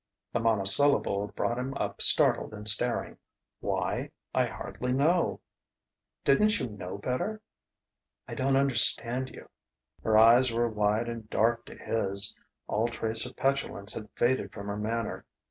The monosyllable brought him up startled and staring. "Why? I hardly know...." "Didn't you know better?" "I don't understand you " Her eyes were wide and dark to his; all trace of petulance had faded from her manner.